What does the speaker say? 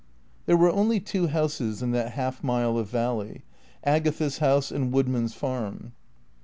There were only two houses in that half mile of valley, Agatha's house and Woodman's Farm.